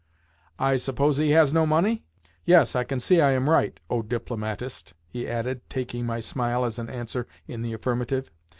"I suppose he has no money? Yes, I can see I am right, O diplomatist," he added, taking my smile as an answer in the affirmative.